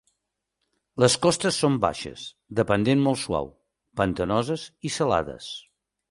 Les costes són baixes, de pendent molt suau, pantanoses i salades.